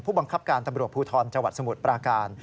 บังคับการตำรวจภูทรจังหวัดสมุทรปราการ